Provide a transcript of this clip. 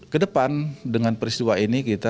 kedepan dengan peristiwa ini kita